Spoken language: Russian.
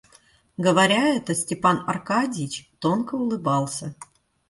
Говоря это, Степан Аркадьич тонко улыбался.